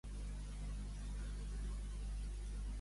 Qui era Flora Isgleas i Alsina?